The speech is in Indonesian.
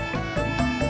gak ada de